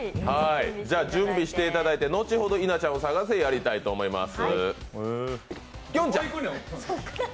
準備していただいて、後ほど、「稲ちゃんを探せ！」をやりたいと思います。